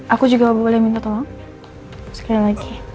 aku juga gak boleh minta tolong sekali lagi